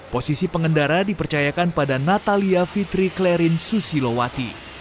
posisi pengendara dipercayakan pada natalia fitri klerin susilowati